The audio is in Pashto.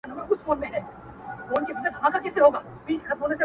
رنځور جانانه رنځ دي ډېر سو !خدای دي ښه که راته!